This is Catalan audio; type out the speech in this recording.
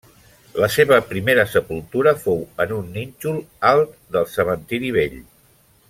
La seva primera sepultura fou en un nínxol alt del Cementiri Vell.